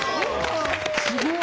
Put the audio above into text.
すごい！